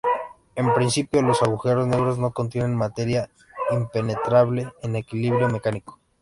En principio los agujeros negros no contienen materia impenetrable en equilibrio mecánico.